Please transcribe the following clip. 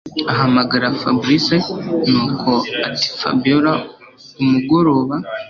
ahamagara Fabric nuko atiFabiora umugoroba